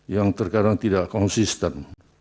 yang terkadang tidak konsisten